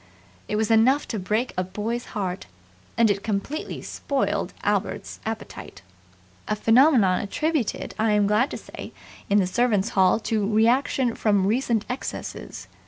It was enough to break a boy's heart; and it completely spoiled Albert's appetite a phenomenon attributed, I am glad to say, in the Servants' Hall to reaction from recent excesses.